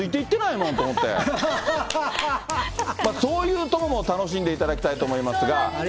そういうところも楽しんでいただきたいと思いますが。